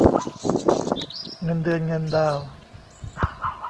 เงินเดือนเงินดาว